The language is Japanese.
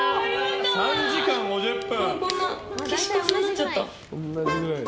３時間５０分！